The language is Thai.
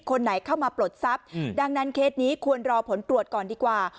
คนไหนเข้ามาปลดทรัพย์ดังนั้นเคสนี้ควรรอผลตรวจก่อนดีกว่า